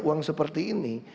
uang seperti ini